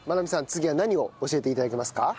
次は何を教えて頂けますか？